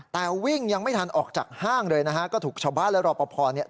แต่วิ่งยังไม่ทันออกจากห้างเลยนะฮะก็ถูกชาวบ้านและรอปภเนี่ย